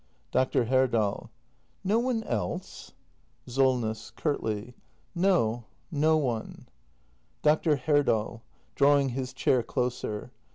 Dr. Herdal. No one else ? Solness. [Curtly.] No, no one. Dr. Herdal. [Drawing his chair closer.